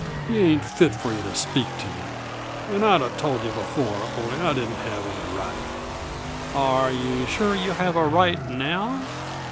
He ain't fit for yuh to speak to and I'd a told yuh before, only I didn't have any right " "Are you sure you have a right now?"